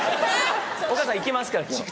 お母さん行きますから今日。